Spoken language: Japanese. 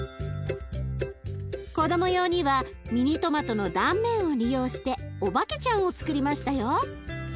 子ども用にはミニトマトの断面を利用してお化けちゃんをつくりましたよ。